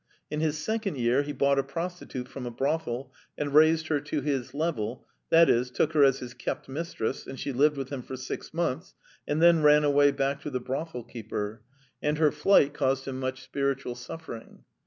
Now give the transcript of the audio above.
In his second year he bought a prostitute from a brothel and raised her to his level that is, took her as his kept mistress, and she lived with him for six months and then ran away back to the brothel keeper, and her flight caused him much spiritual suffering.